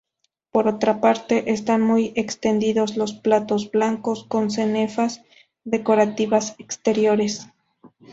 Por otra parte, están muy extendidos los platos blancos con cenefas decorativas exteriores.